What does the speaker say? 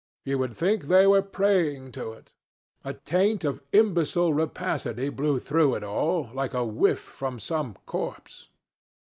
You would think they were praying to it. A taint of imbecile rapacity blew through it all, like a whiff from some corpse.